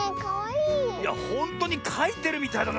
いやほんとにかいてるみたいだな